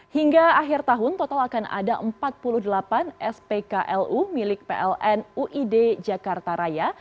hingga akhir tahun total akan ada empat puluh delapan spklu milik pln uid jakarta raya